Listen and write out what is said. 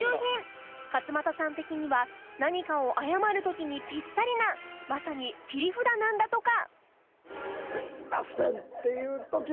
勝俣さん的には何かを謝る時にぴったりなまさに切り札なんだとか